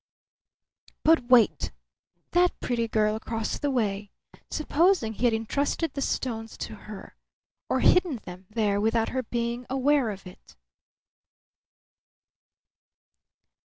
But wait! That pretty girl across the way. Supposing he had intrusted the stones to her? Or hidden them there without her being aware of it?